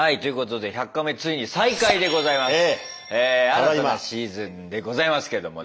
新たなシーズンでございますけどもね。